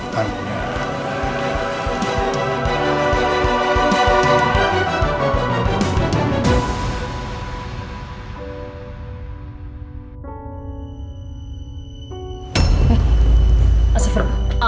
jangan tolong kalian pergi dari sini ya